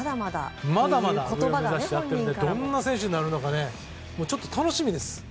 まだまだとおっしゃっているんでどんな選手になるのかちょっと楽しみですね。